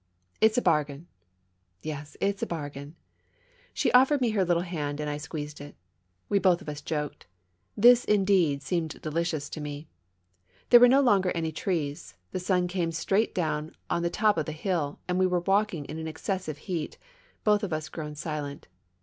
"" It's a bargain I " "Yes, it's a bargain I " She offered me her little hand and I squeezed it. We both of us joked. This, indeed, seemed delicious to me. There were no longer any trees ; the sun came straight down on the top of the hill, and we were walking in an excessive heat, both of us grown silent.